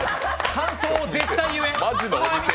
感想、絶対言え！